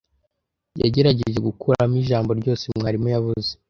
Yagerageje gukuramo ijambo ryose mwarimu yavuze.